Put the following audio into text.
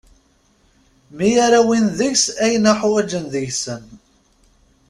Mi ara awin deg-s ayen uḥwaǧen deg-sen.